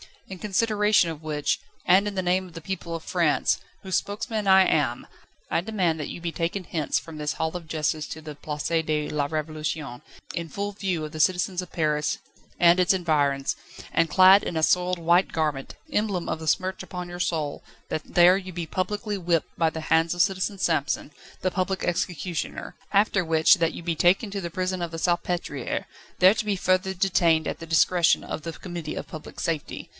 In consideration of which, and in the name of the people of France, whose spokesman I am, I demand that you be taken hence from this Hall of Justice to the Place de la Révolution, in full view of the citizens of Paris and its environs, and clad in a soiled white garment, emblem of the smirch upon your soul, that there you be publicly whipped by the hands of Citizen Samson, the public executioner; after which, that you be taken to the prison of the Salpêtriere, there to be further detained at the discretion of the Committee of Public Safety.